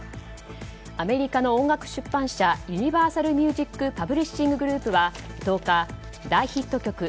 アメリカの音楽出版社ユニバーサル・ミュージック・パブリッシング・グループは１０日大ヒット曲